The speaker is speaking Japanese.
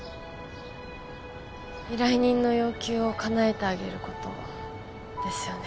依頼人の要求をかなえてあげることですよね？